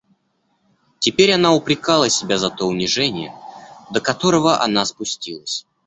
Теперь она упрекала себя за то унижение, до которого она спустилась.